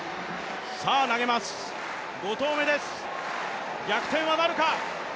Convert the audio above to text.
さあ投げます、５投目です、逆転はなるか。